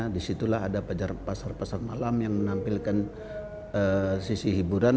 disitulah ada pasar pasar malam yang menampilkan sisi hiburan